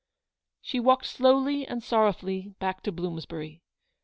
214 She walked slowly and sorrowfully back to Bloomsbury.